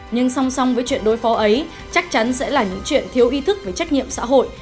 nhưng song song với chuyện đối phó ấy chắc chắn sẽ là những chuyện thiếu ý thức về trách nhiệm xã hội